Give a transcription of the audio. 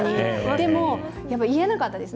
でも、やっぱり言えなかったです。